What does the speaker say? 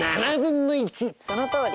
そのとおり。